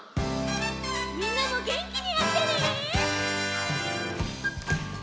みんなもげんきにやってね！